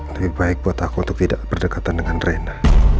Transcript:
lebih baik buat aku untuk tidak berdekatan dengan renda